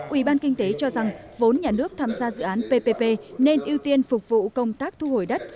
ubk cho rằng vốn nhà nước tham gia dự án ppp nên ưu tiên phục vụ công tác thu hồi đất